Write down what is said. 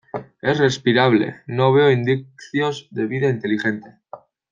Es respirable. No veo indicios de vida inteligente .